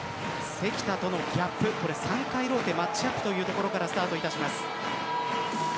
関田とのギャップ３回ローテマッチアップというところからスタートです。